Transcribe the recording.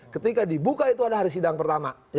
ketika dibuka itu ada hari sidang pertama